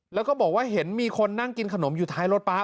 แล้วก็บอกว่าเห็นมีคนนั่งกินขนมอยู่ท้ายรถป๊า